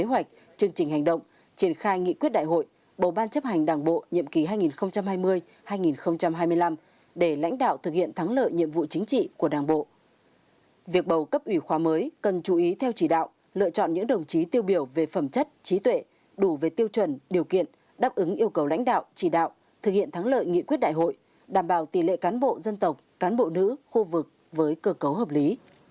bộ ban chấp hành đảng bộ nhiệm ký hai nghìn hai mươi hai nghìn hai mươi năm để lãnh đạo thực hiện thắng lợi nhiệm vụ chính trị của đảng bộ việc bầu cấp ủy khoa mới cần chú ý theo chỉ đạo lựa chọn những đồng chí tiêu biểu về phẩm chất trí tuệ đủ về tiêu chuẩn điều kiện đáp ứng yêu cầu lãnh đạo chỉ đạo thực hiện thắng lợi nghị quyết đại hội đảm bảo tỷ lệ cán bộ dân tộc cán bộ nữ khu vực với cơ cấu hợp lý